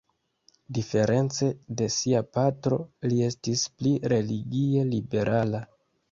Diference de sia patro, li estis pli religie liberala.